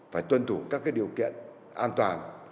phải tuân thủ các điều kiện an toàn